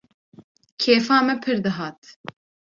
Kêfa me pir dihat